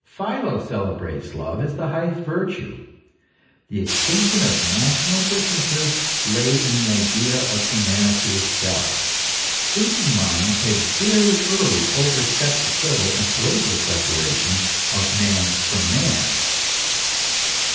Philo celebrates love as the THE CONTRADICTION OF FAITH AND LOVE. 265 highest virtue. The extinction of national differences lay in the idea of humanity itself. Thinking minds had very early overstepped the civil and political separation of man from man.